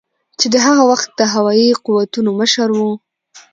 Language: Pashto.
چې د هغه وخت د هوایي قوتونو مشر ؤ